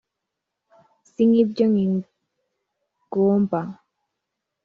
si nk'ibyo nkigomba